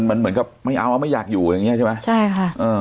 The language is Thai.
มันเหมือนกับไม่เอาไม่อยากอยู่อะไรอย่างเงี้ใช่ไหมใช่ค่ะเออ